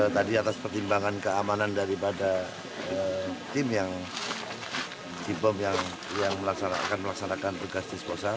tadi atas pertimbangan keamanan daripada tim yang melaksanakan tugas disposal